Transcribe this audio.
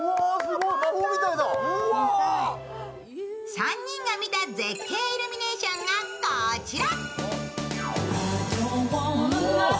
３人が見た絶景イルミネーションがこちら。